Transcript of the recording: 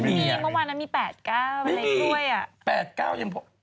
เมื่อวานนั้นมีแปดเก้าอะไรด้วยไม่มีแปดเก้ายัง